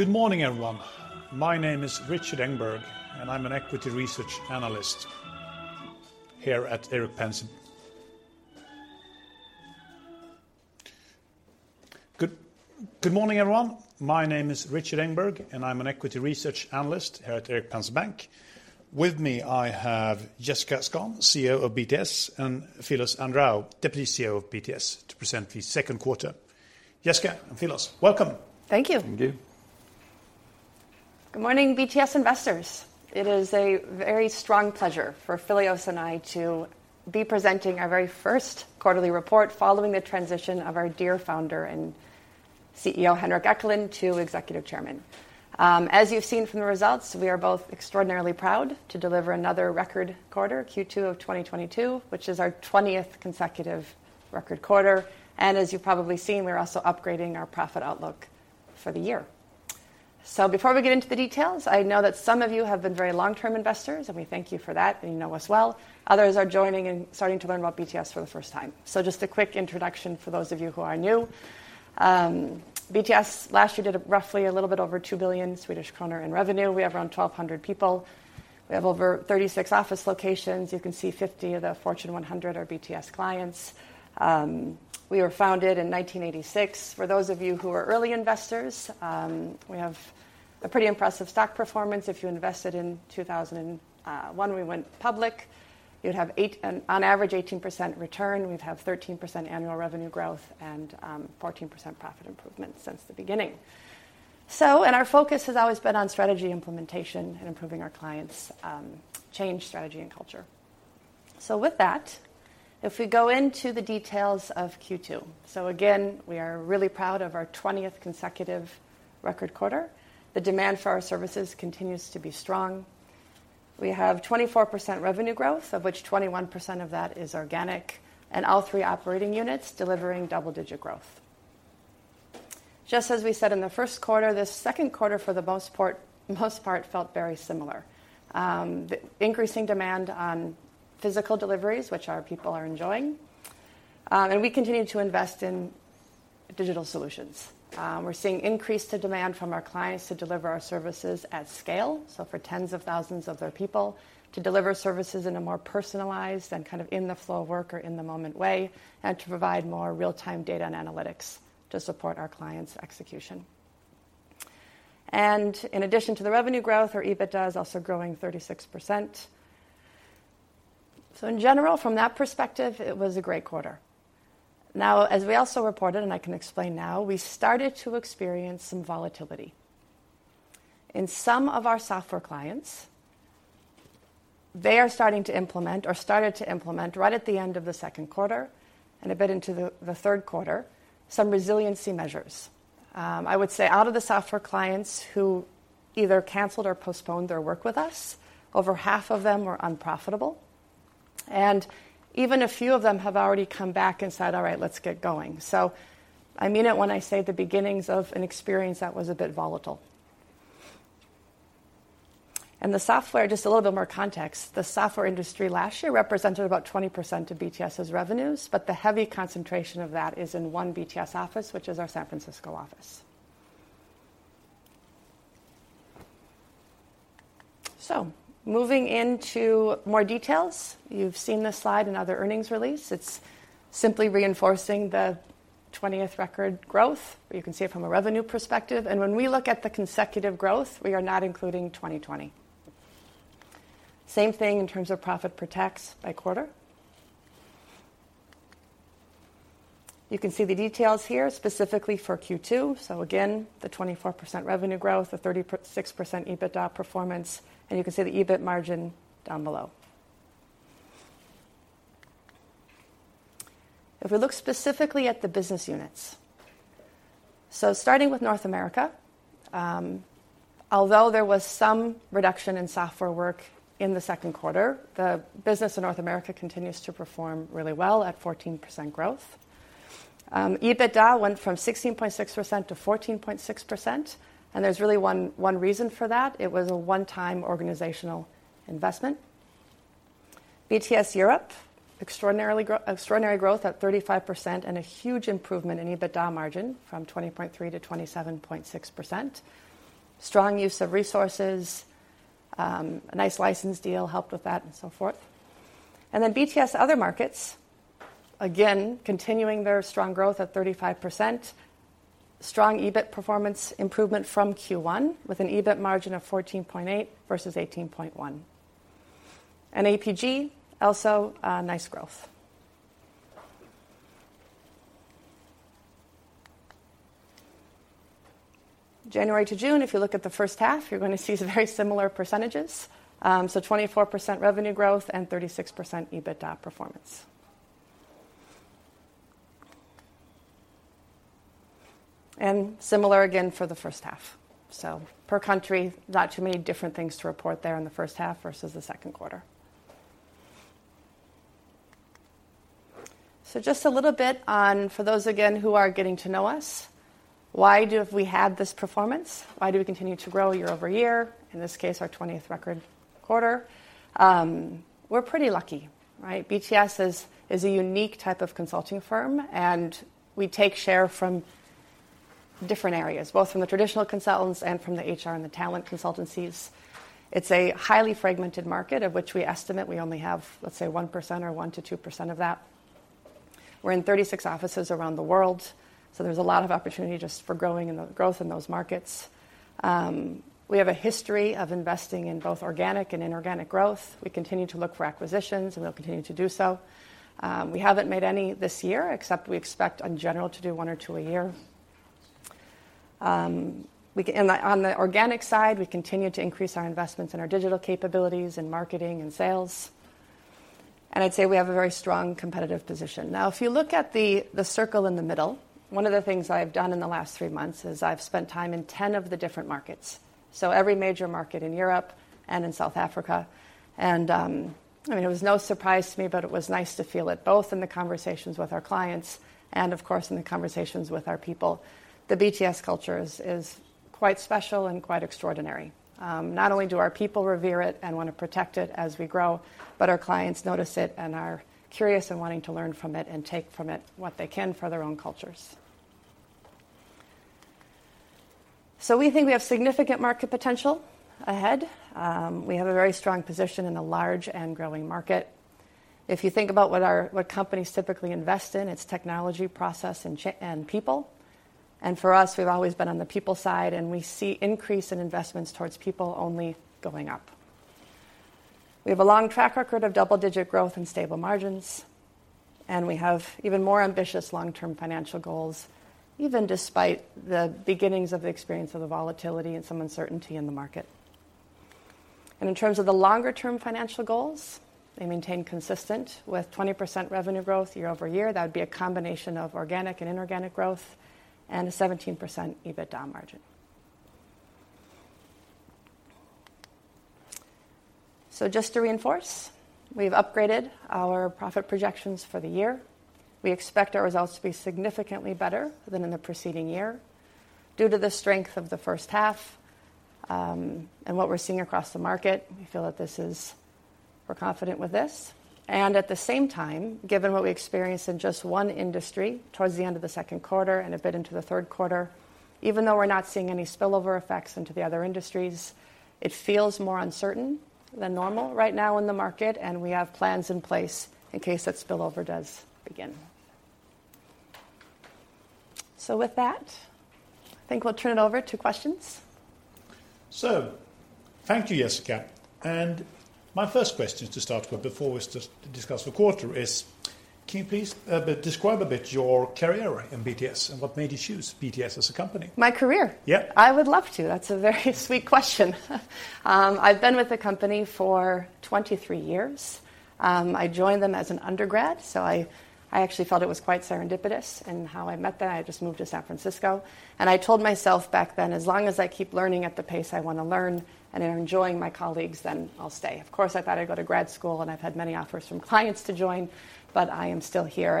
Good morning, everyone. My name is Rikard Engberg, and I'm an equity research analyst here at Erik Penser Bank. With me, I have Jessica Skon, CEO of BTS, and Philios Andreou, Deputy CEO of BTS, to present the second quarter. Jessica and Philios, welcome. Thank you. Thank you. Good morning, BTS investors. It is a very strong pleasure for Philios and I to be presenting our very first quarterly report following the transition of our dear founder and CEO, Henrik Ekelund, to executive chairman. As you've seen from the results, we are both extraordinarily proud to deliver another record quarter, Q2 of 2022, which is our 20th consecutive record quarter. As you've probably seen, we're also upgrading our profit outlook for the year. Before we get into the details, I know that some of you have been very long-term investors, and we thank you for that, and you know us well. Others are joining and starting to learn about BTS for the first time. Just a quick introduction for those of you who are new. BTS last year did roughly a little bit over 2 billion Swedish kronor in revenue. We have around 1,200 people. We have over 36 office locations. You can see 50 of the Fortune 100 are BTS clients. We were founded in 1986. For those of you who are early investors, we have a pretty impressive stock performance. If you invested in 2001, we went public, you'd have on average 18% return. We'd have 13% annual revenue growth and 14% profit improvement since the beginning. Our focus has always been on strategy implementation and improving our clients' change strategy and culture. With that, if we go into the details of Q2. Again, we are really proud of our 20th consecutive record quarter. The demand for our services continues to be strong. We have 24% revenue growth, of which 21% of that is organic, and all three operating units delivering double-digit growth. Just as we said in the first quarter, the second quarter for the most part felt very similar. The increasing demand for physical deliveries, which our people are enjoying. We continue to invest in digital solutions. We're seeing increased demand from our clients to deliver our services at scale, so for tens of thousands of their people, to deliver services in a more personalized and kind of in the flow of work or in the moment way, and to provide more real time data and analytics to support our clients' execution. In addition to the revenue growth, our EBITDA is also growing 36%. In general, from that perspective, it was a great quarter. Now, as we also reported, and I can explain now, we started to experience some volatility. In some of our software clients, they are starting to implement or started to implement right at the end of the second quarter and a bit into the third quarter, some resiliency measures. I would say out of the software clients who either canceled or postponed their work with us, over half of them were unprofitable. Even a few of them have already come back and said, "All right, let's get going." I mean it when I say the beginnings of an experience that was a bit volatile. The software, just a little bit more context, the software industry last year represented about 20% of BTS's revenues, but the heavy concentration of that is in one BTS office, which is our San Francisco office. Moving into more details. You've seen this slide in other earnings release. It's simply reinforcing the 20th record growth. You can see it from a revenue perspective. When we look at the consecutive growth, we are not including 2020. Same thing in terms of profit before tax by quarter. You can see the details here specifically for Q2. Again, the 24% revenue growth, the 36% EBITDA performance, and you can see the EBIT margin down below. If we look specifically at the business units. Starting with North America, although there was some reduction in software work in the second quarter, the business in North America continues to perform really well at 14% growth. EBITDA went from 16.6% to 14.6%, and there's really one reason for that. It was a one time organizational investment. BTS Europe, extraordinary growth at 35% and a huge improvement in EBITDA margin from 20.3% to 27.6%. Strong use of resources. A nice license deal helped with that and so forth. BTS other markets, again continuing their strong growth at 35%. Strong EBIT performance improvement from Q1 with an EBIT margin of 14.8% versus 18.1%. APG also, nice growth. January to June, if you look at the first half, you're going to see some very similar percentages. 24% revenue growth and 36% EBITDA performance. Similar again for the first half. Per country, not too many different things to report there in the first half versus the second quarter. Just a little bit on, for those again who are getting to know us, why do have we had this performance? Why do we continue to grow year-over-year? In this case, our 20th record quarter. We're pretty lucky, right. BTS is a unique type of consulting firm, and we take share from different areas, both from the traditional consultants and from the HR and the talent consultancies. It's a highly fragmented market of which we estimate we only have, let's say, 1% or 1%-2% of that. We're in 36 offices around the world, so there's a lot of opportunity just for growth in those markets. We have a history of investing in both organic and inorganic growth. We continue to look for acquisitions, and we'll continue to do so. We haven't made any this year, except we expect in general to do one or two a year. On the organic side, we continue to increase our investments in our digital capabilities in marketing and sales. I'd say we have a very strong competitive position. Now, if you look at the circle in the middle, one of the things I've done in the last three months is I've spent time in 10 of the different markets, so every major market in Europe and in South Africa. I mean, it was no surprise to me, but it was nice to feel it both in the conversations with our clients and of course in the conversations with our people. The BTS culture is quite special and quite extraordinary. Not only do our people revere it and wanna protect it as we grow, but our clients notice it and are curious and wanting to learn from it and take from it what they can for their own cultures. We think we have significant market potential ahead. We have a very strong position in a large and growing market. If you think about what companies typically invest in, it's technology, process, and people. For us, we've always been on the people side, and we see increase in investments towards people only going up. We have a long track record of double-digit growth and stable margins, and we have even more ambitious long-term financial goals, even despite the beginnings of the experience of the volatility and some uncertainty in the market. In terms of the longer-term financial goals, they maintain consistent with 20% revenue growth year-over-year. That would be a combination of organic and inorganic growth and a 17% EBITDA margin. Just to reinforce, we've upgraded our profit projections for the year. We expect our results to be significantly better than in the preceding year due to the strength of the first half, and what we're seeing across the market. We feel that this is. We're confident with this. At the same time, given what we experienced in just one industry towards the end of the second quarter and a bit into the third quarter, even though we're not seeing any spillover effects into the other industries, it feels more uncertain than normal right now in the market, and we have plans in place in case that spillover does begin. With that, I think we'll turn it over to questions. Thank you, Jessica. My first question to start with before we discuss the quarter is, can you please describe a bit your career in BTS and what made you choose BTS as a company? My career? Yeah. I would love to. That's a very sweet question. I've been with the company for 23 years. I joined them as an undergrad, so I actually felt it was quite serendipitous in how I met them. I had just moved to San Francisco, and I told myself back then, as long as I keep learning at the pace I wanna learn and I'm enjoying my colleagues, then I'll stay. Of course, I thought I'd go to grad school, and I've had many offers from clients to join, but I am still here.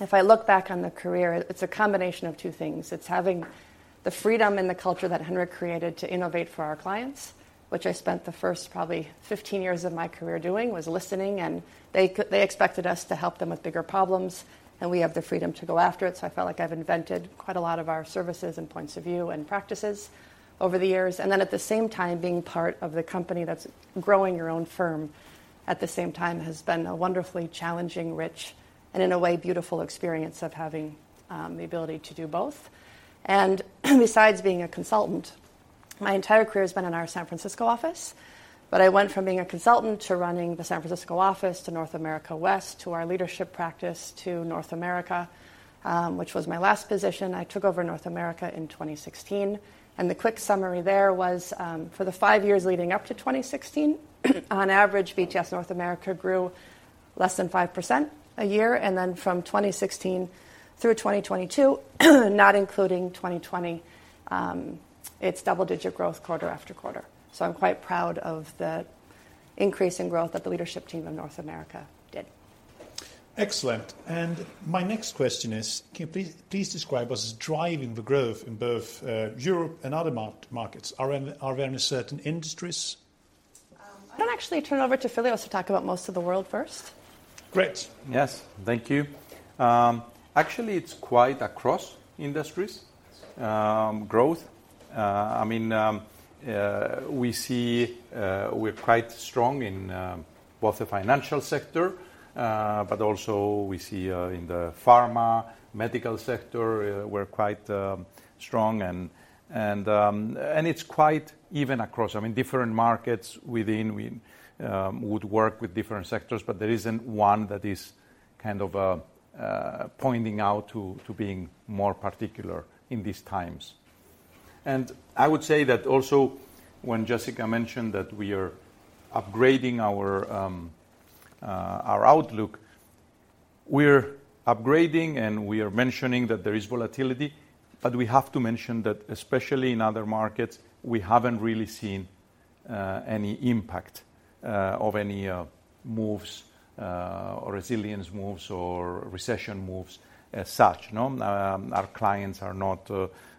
If I look back on the career, it's a combination of two things. It's having the freedom and the culture that Henrik created to innovate for our clients, which I spent the first probably 15 years of my career doing, was listening, and they expected us to help them with bigger problems, and we have the freedom to go after it. I felt like I've invented quite a lot of our services and points of view and practices over the years. At the same time, being part of the company that's growing your own firm at the same time has been a wonderfully challenging, rich, and in a way, beautiful experience of having the ability to do both. Besides being a consultant, my entire career has been in our San Francisco office, but I went from being a consultant to running the San Francisco office to North America West to our leadership practice to North America, which was my last position. I took over North America in 2016. The quick summary there was, for the five years leading up to 2016, on average, BTS North America grew less than 5% a year. From 2016 through 2022, not including 2020, it's double-digit growth quarter after quarter. I'm quite proud of the increase in growth that the leadership team in North America did. Excellent. My next question is, can you please describe what is driving the growth in both BTS Europe and BTS Other Markets? Are there any certain industries? Why don't I actually turn it over to Philios to talk about most of the world first? Great. Yes. Thank you. Actually, it's quite across industries, growth. I mean, we see, we're quite strong in both the financial sector, but also we see in the pharma, medical sector, we're quite strong and it's quite even across. I mean, different markets within we would work with different sectors, but there isn't one that is kind of pointing out to being more particular in these times. I would say that also when Jessica mentioned that we are upgrading our outlook, we're upgrading, and we are mentioning that there is volatility, but we have to mention that especially in other markets, we haven't really seen any impact of any moves or resilience moves or recession moves as such, no. Our clients are not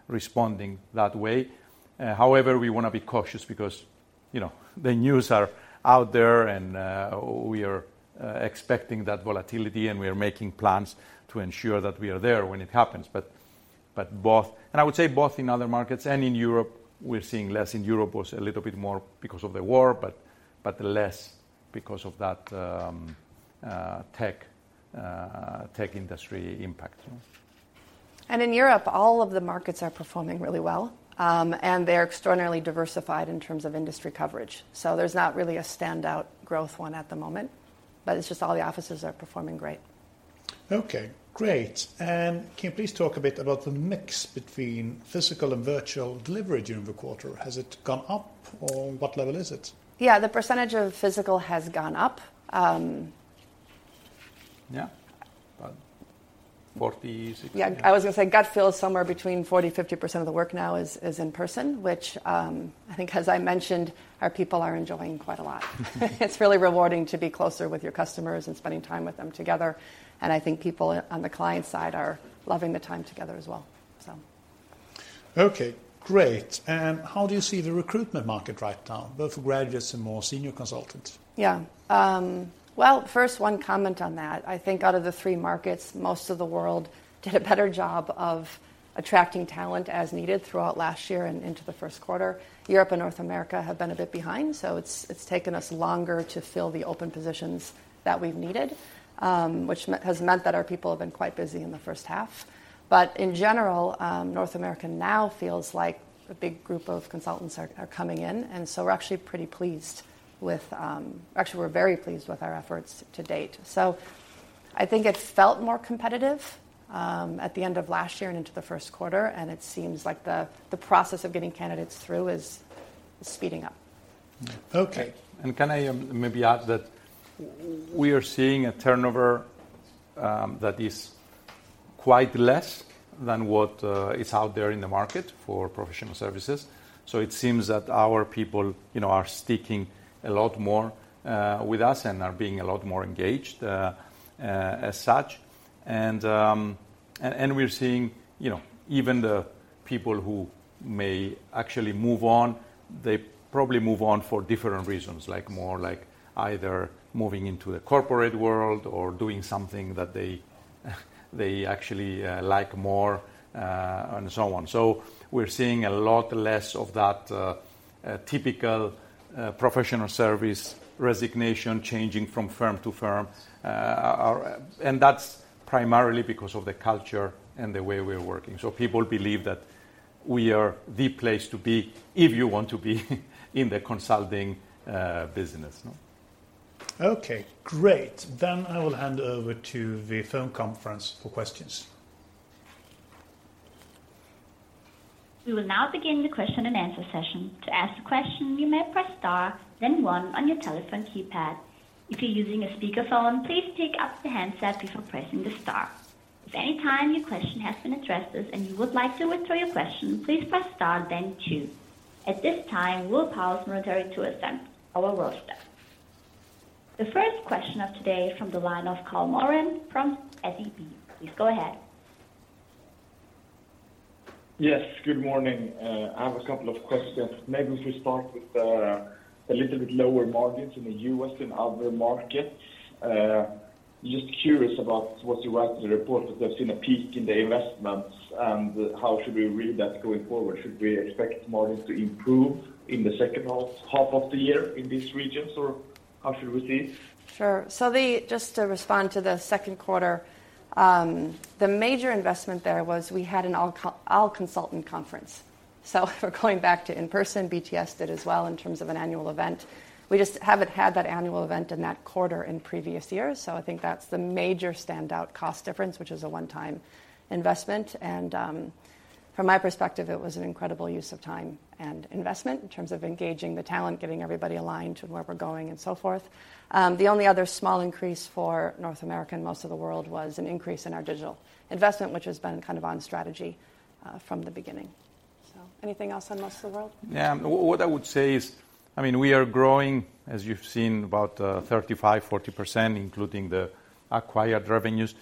responding that way. However, we wanna be cautious because, you know, the news are out there and we are expecting that volatility, and we are making plans to ensure that we are there when it happens. I would say both in other markets and in Europe, we're seeing less. In Europe was a little bit more because of the war, but less because of that tech industry impact. In Europe, all of the markets are performing really well. They're extraordinarily diversified in terms of industry coverage. There's not really a standout growth one at the moment, but it's just all the offices are performing great. Okay, great. Can you please talk a bit about the mix between physical and virtual delivery during the quarter? Has it gone up or what level is it? Yeah. The percentage of physical has gone up. Yeah. About 40%, 60%. Yeah. I was gonna say gut feel is somewhere between 40%-50% of the work now is in person, which, I think as I mentioned, our people are enjoying quite a lot. It's really rewarding to be closer with your customers and spending time with them together, and I think people on the client side are loving the time together as well, so. Okay, great. How do you see the recruitment market right now, both for graduates and more senior consultants? Yeah. Well, first, one comment on that. I think out of the three markets, most of the world did a better job of attracting talent as needed throughout last year and into the first quarter. Europe and North America have been a bit behind, so it's taken us longer to fill the open positions that we've needed, which has meant that our people have been quite busy in the first half. In general, North America now feels like a big group of consultants are coming in, and so we're actually pretty pleased with. Actually, we're very pleased with our efforts to date. I think it felt more competitive at the end of last year and into the first quarter, and it seems like the process of getting candidates through is speeding up. Okay. Can I maybe add that we are seeing a turnover that is quite less than what is out there in the market for professional services. It seems that our people, you know, are sticking a lot more with us and are being a lot more engaged as such. We're seeing, you know, even the people who may actually move on, they probably move on for different reasons, like more like either moving into the corporate world or doing something that they actually like more and so on. We're seeing a lot less of that typical professional service resignation changing from firm to firm. That's primarily because of the culture and the way we're working. People believe that we are the place to be if you want to be in the consulting business. Okay, great. I will hand over to the phone conference for questions. We will now begin the question and answer session. To ask a question, you may press star then one on your telephone keypad. If you're using a speakerphone, please pick up the handset before pressing the star. If at any time your question has been addressed and you would like to withdraw your question, please press star then two. At this time, we will pause momentarily to assemble our roster. The first question of today from the line of Carl Mårén from SEB. Please go ahead. Yes, good morning. I have a couple of questions. Maybe if we start with the little bit lower margins in the U.S. and other markets. Just curious about what you write in the report that they've seen a peak in the investments, and how should we read that going forward? Should we expect margins to improve in the second half of the year in these regions or how should we see it? Sure. Just to respond to the second quarter, the major investment there was we had an all consultant conference. For going back to in-person, BTS did as well in terms of an annual event. We just haven't had that annual event in that quarter in previous years. I think that's the major standout cost difference, which is a one-time investment. From my perspective, it was an incredible use of time and investment in terms of engaging the talent, getting everybody aligned to where we're going and so forth. The only other small increase for North America and most of the world was an increase in our digital investment, which has been kind of on strategy from the beginning. Anything else on most of the world? Yeah. What I would say is, I mean, we are growing, as you've seen, about 35%-40%, including the acquired revenues,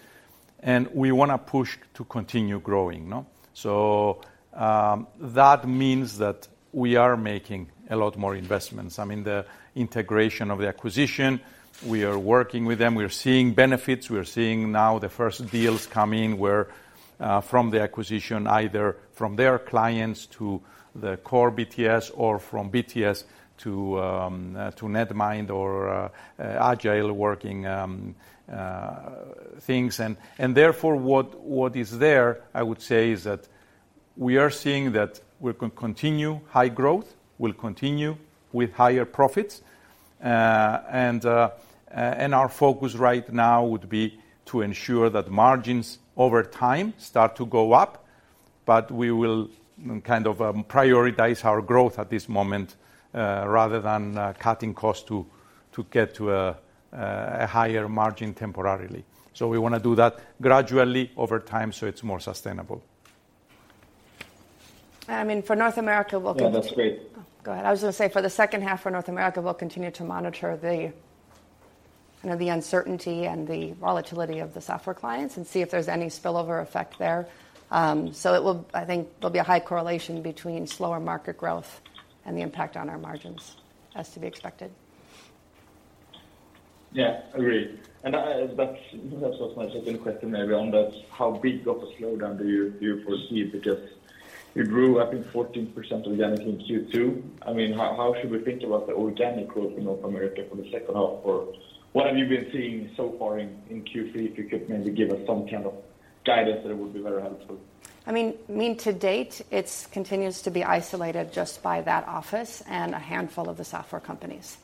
and we wanna push to continue growing, no? That means that we are making a lot more investments. I mean, the integration of the acquisition, we are working with them. We're seeing benefits. We're seeing now the first deals coming where, from the acquisition, either from their clients to the core BTS or from BTS to Netmind or Agile working things. Therefore, what is there, I would say, is that we are seeing that we can continue high growth. We'll continue with higher profits. Our focus right now would be to ensure that margins over time start to go up, but we will kind of prioritize our growth at this moment, rather than cutting costs to get to a higher margin temporarily. We wanna do that gradually over time so it's more sustainable. I mean, for North America, we'll cont- Yeah, that's great. Go ahead. I was gonna say, for the second half for North America, we'll continue to monitor the, you know, the uncertainty and the volatility of the software clients and see if there's any spillover effect there. I think there'll be a high correlation between slower market growth and the impact on our margins as to be expected. Yeah, agreed. That's, that was my second question maybe on that. How big of a slowdown do you foresee because you grew, I think 14% organic in Q2. I mean, how should we think about the organic growth in North America for the second half, or what have you been seeing so far in Q3? If you could maybe give us some kind of guidance, that would be very helpful. I mean to date, it continues to be isolated just by that office and a handful of the software companies.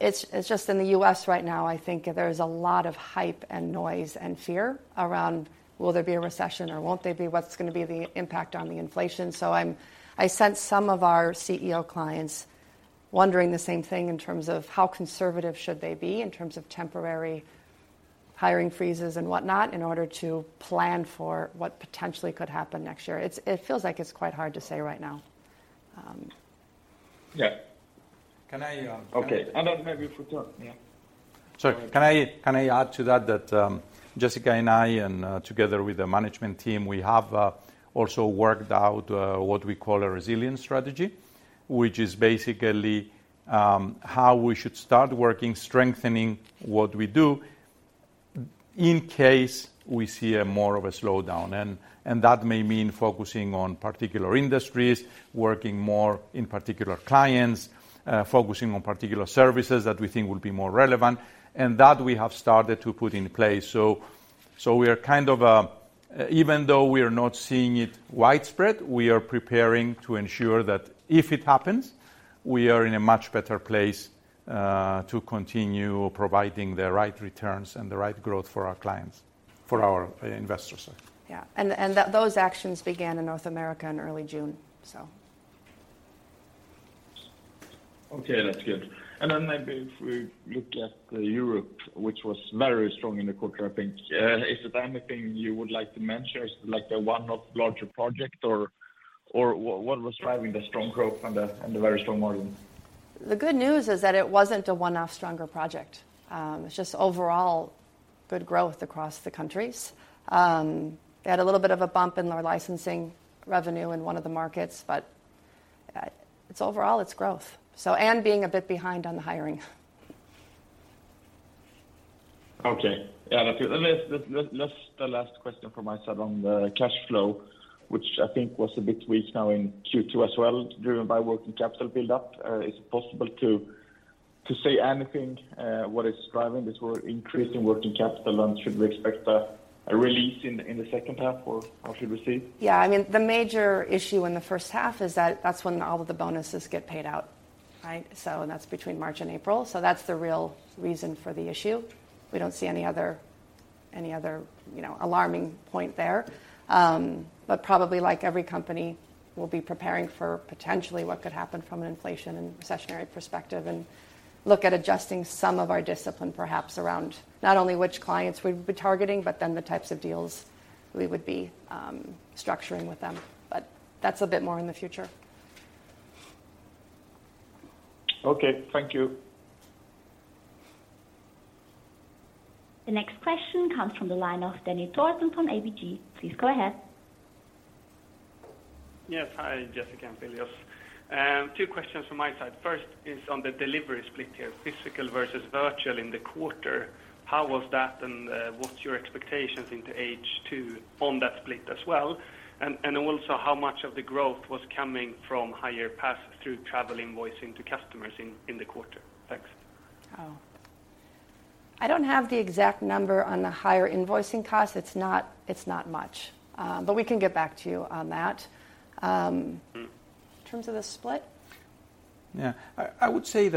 It's just in the US right now. I think there's a lot of hype and noise and fear around will there be a recession or won't there be. What's gonna be the impact on the inflation. I sense some of our CEO clients wondering the same thing in terms of how conservative should they be in terms of temporary hiring freezes and whatnot in order to plan for what potentially could happen next year. It feels like it's quite hard to say right now. Yeah. Can I? Okay. Maybe for Jessica. Yeah. Can I add to that? Jessica and I, together with the management team, have also worked out what we call a resilience strategy. Which is basically how we should start working, strengthening what we do in case we see more of a slowdown. That may mean focusing on particular industries, working more with particular clients, focusing on particular services that we think will be more relevant, and that we have started to put in place. We are kind of even though we are not seeing it widespread, we are preparing to ensure that if it happens, we are in a much better place to continue providing the right returns and the right growth for our clients, for our investors, sorry. Those actions began in North America in early June. Okay, that's good. Maybe if we look at Europe, which was very strong in the quarter, I think. Is there anything you would like to mention as like a one-off larger project or what was driving the strong growth and the very strong margin? The good news is that it wasn't a one-off stronger project. It's just overall good growth across the countries. We had a little bit of a bump in our licensing revenue in one of the markets, but it's overall growth. Being a bit behind on the hiring. Okay. Yeah, that's good. Just the last question from my side on the cash flow, which I think was a bit weak now in Q2 as well, driven by working capital build-up. Is it possible to say anything, what is driving this whole increase in working capital? Should we expect a release in the second half or how should we see? Yeah. I mean, the major issue in the first half is that that's when all of the bonuses get paid out, right? That's between March and April. That's the real reason for the issue. We don't see any other, you know, alarming point there. Probably like every company, we'll be preparing for potentially what could happen from an inflation and recessionary perspective and look at adjusting some of our discipline perhaps around not only which clients we'd be targeting, but then the types of deals we would be structuring with them. That's a bit more in the future. Okay. Thank you. The next question comes from the line of Dennis Dorton from ABG. Please go ahead. Yes. Hi, Jessica and Philios. Two questions from my side. First is on the delivery split here, physical versus virtual in the quarter. How was that and what's your expectations into H2 on that split as well? Also how much of the growth was coming from higher pass through travel invoicing to customers in the quarter? Thanks. Oh. I don't have the exact number on the higher invoicing costs. It's not much. We can get back to you on that. In terms of the split? Yeah. I would say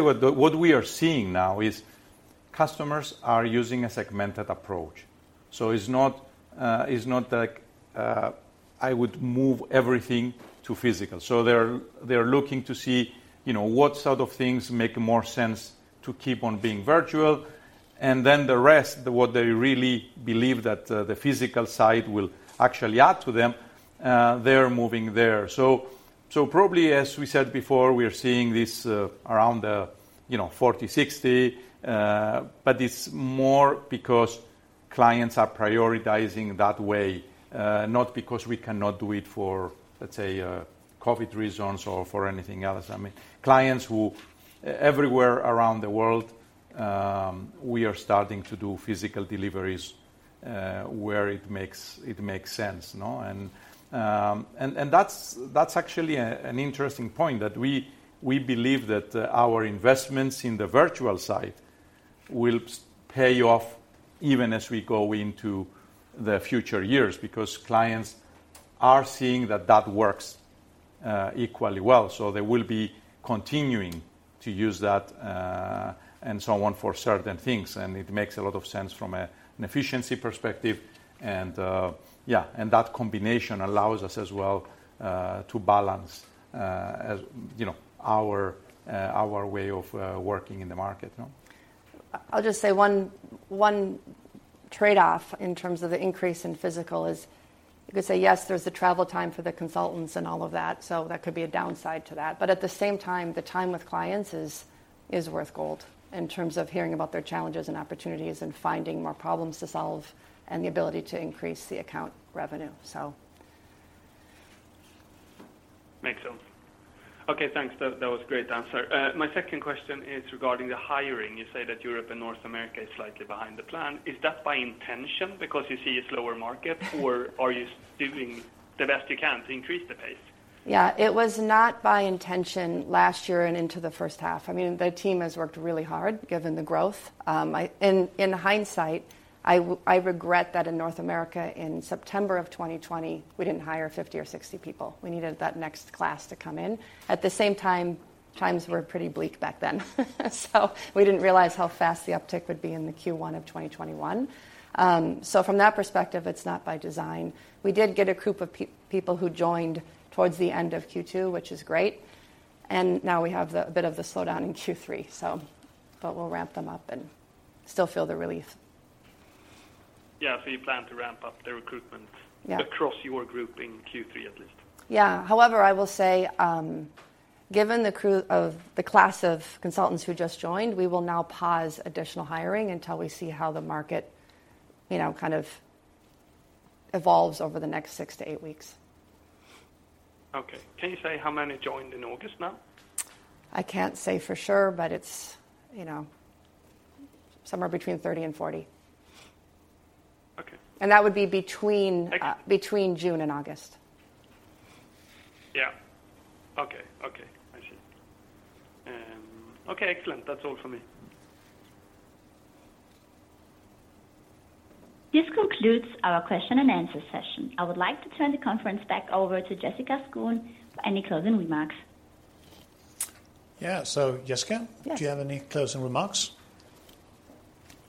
what we are seeing now is customers are using a segmented approach. It's not like I would move everything to physical. They're looking to see, you know, what sort of things make more sense to keep on being virtual. The rest, what they really believe that the physical side will actually add to them, they are moving there. Probably, as we said before, we are seeing this around 40/60. It's more because clients are prioritizing that way, not because we cannot do it for, let's say, COVID reasons or for anything else. I mean, clients everywhere around the world, we are starting to do physical deliveries where it makes sense, no? That's actually an interesting point that we believe that our investments in the virtual side will pay off even as we go into the future years because clients are seeing that works equally well. They will be continuing to use that and so on for certain things. It makes a lot of sense from an efficiency perspective. Yeah. That combination allows us as well to balance, as you know, our way of working in the market, no? I'll just say one trade-off in terms of the increase in physical is you could say, yes, there's the travel time for the consultants and all of that, so that could be a downside to that. At the same time, the time with clients is worth gold in terms of hearing about their challenges and opportunities and finding more problems to solve and the ability to increase the account revenue, so. Makes sense. Okay, thanks. That was a great answer. My second question is regarding the hiring. You say that Europe and North America is slightly behind the plan. Is that by intention because you see a slower market? Or are you doing the best you can to increase the pace? Yeah. It was not by intention last year and into the first half. I mean, the team has worked really hard given the growth. In hindsight, I regret that in North America in September of 2020, we didn't hire 50 or 60 people. We needed that next class to come in. At the same time, times were pretty bleak back then. We didn't realize how fast the uptick would be in the Q1 of 2021. From that perspective, it's not by design. We did get a group of people who joined towards the end of Q2, which is great, and now we have the bit of the slowdown in Q3. We'll ramp them up and still feel the relief. Yeah. You plan to ramp up the recruitment. Yeah. across your group in Q3 at least? Yeah. However, given the class of consultants who just joined, we will now pause additional hiring until we see how the market, you know, kind of evolves over the next six to eight weeks. Okay. Can you say how many joined in August now? I can't say for sure, but it's, you know, somewhere between 30 and 40. Okay. That would be between June and August. Yeah. Okay. I see. Okay, excellent. That's all for me. This concludes our question and answer session. I would like to turn the conference back over to Jessica Skon for any closing remarks. Yeah. Jessica. Do you have any closing remarks?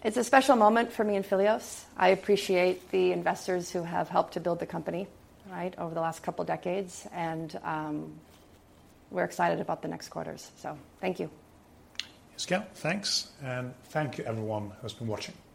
It's a special moment for me and Philios. I appreciate the investors who have helped to build the company, right, over the last couple decades and, we're excited about the next quarters. Thank you. Jessica, thanks. Thank you everyone who's been watching.